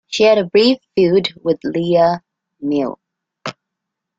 She had a brief feud with Leia Meow.